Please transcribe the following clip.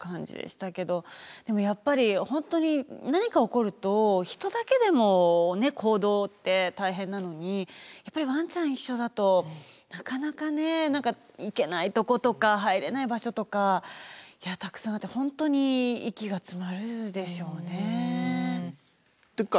でもやっぱり本当に何か起こると人だけでも行動って大変なのにやっぱりワンチャン一緒だとなかなかね行けないとことか入れない場所とかたくさんあって本当に息が詰まるでしょうね。